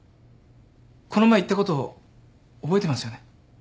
この前言ったこと覚えてますよね。